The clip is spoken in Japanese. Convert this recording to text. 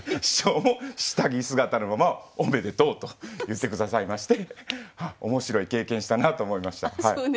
師匠も下着姿のまま「おめでとう」と言って下さいまして面白い経験したなと思いました。